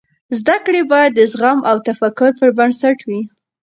زده کړې باید د زغم او تفکر پر بنسټ وي.